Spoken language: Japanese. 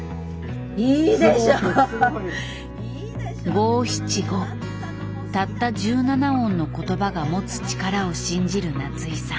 五七五たった１７音の言葉が持つ力を信じる夏井さん。